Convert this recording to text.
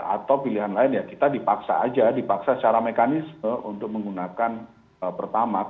atau pilihan lain ya kita dipaksa aja dipaksa secara mekanisme untuk menggunakan pertamax